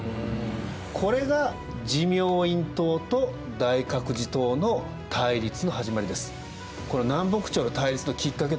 これが持明院統と大覚寺統の対立の始まりです。